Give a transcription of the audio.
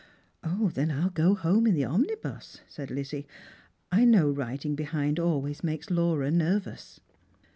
" Then I'll go home in the omnibus," said Lizzie; "I know riding behind always makes Laura nervouB."